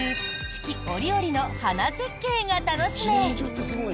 四季折々の花絶景が楽しめる。